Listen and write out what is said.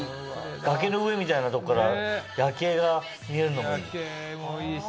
崖の上みたいなとこから夜景が見えるのもいい。